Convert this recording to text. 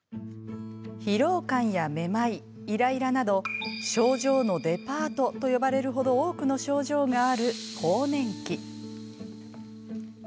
疲労感や、めまいイライラなど症状のデパートと呼ばれるほど多くの症状がある更年期。